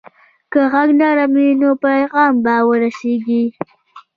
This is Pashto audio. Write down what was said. که غږ نرم وي، نو پیغام به ورسیږي.